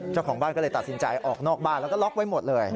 เจ้าของบ้านก็เลยตัดสินใจออกนอกบ้านแล้วก็ล็อกไว้หมดเลย